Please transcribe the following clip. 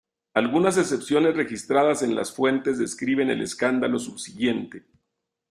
Algunas excepciones registradas en las fuentes describen el escándalo subsiguiente.